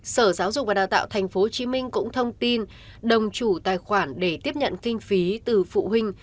sở giáo dục và đào tạo tp hcm cũng thông tin đồng chủ tài khoản để tiếp nhận kinh phí từ phụ huynh